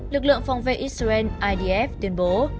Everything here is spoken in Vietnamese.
lực lượng phòng vệ israel idf tuyên bố